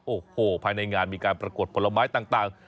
โอ้โหภายในงานมีการประกวดผลไม้ต่าง